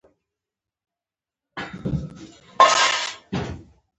په اوږده سفر خوځېږئ، خوراکي توکو ذخیره خلاصه کېږي.